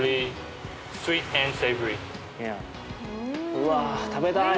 うわ食べたい。